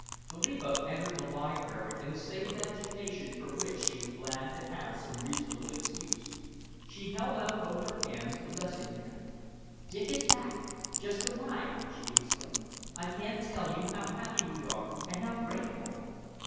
Philippa entered the library in a state of agitation for which she was glad to have some reasonable excuse. She held out both her hands to Lessingham. "Dick is back just arrived!" she exclaimed. "I can't tell you how happy we are, and how grateful!"